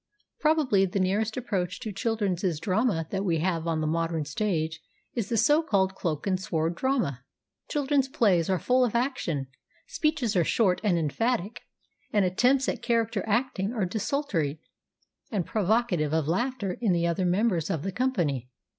Probably the nearest approach to children's drama that we have on the modern stage is the so called cloak and sword drama. 222 THE DAY BEFORE YESTERDAY Children's plays are full of action ; speeches are short and emphatic, and attempts at character acting are desultory and provoca tive of laughter in the other members of the company.